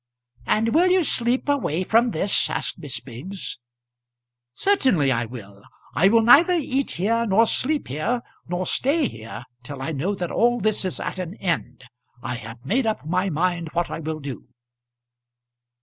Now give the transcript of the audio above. "And will you sleep away from this?" asked Miss Biggs. "Certainly I will. I will neither eat here, nor sleep here, nor stay here till I know that all this is at an end. I have made up my mind what I will do."